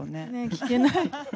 聞けない。